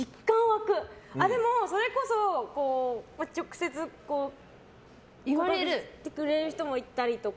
でもそれこそ、直接告白してくれる人もいたりとか。